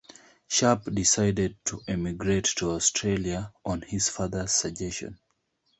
Sharp decided to emigrate to Australia on his father's suggestion.